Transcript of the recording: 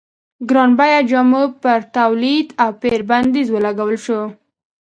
ګران بیه جامو پر تولید او پېر بندیز ولګول شو.